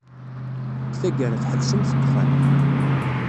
Deg tgara, tḥebsemt ddexxan.